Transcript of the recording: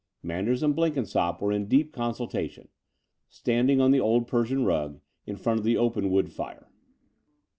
Manders and Blenkinsopp were in deep consulta tion, standing on the old Persian rug in front of the open wood fire.